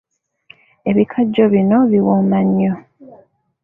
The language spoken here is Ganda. Ebikajjo bino biwooma nnyo.